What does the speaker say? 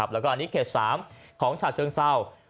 แล้วก็อันนี้เขต๓ของสาธารณ์สาว